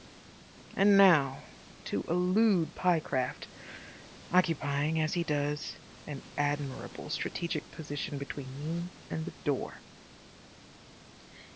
And now to elude Pyecraft, occupying, as he does, an admirable strategic position between me and the door.